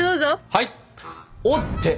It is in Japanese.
はい！